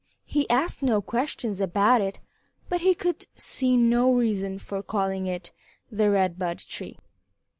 He asked no questions about it, but he could see no reason for calling it the Red Bud Tree.